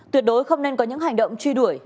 tuyệt đối không nên có những hành động truy đuổi